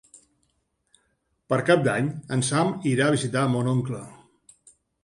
Per Cap d'Any en Sam irà a visitar mon oncle.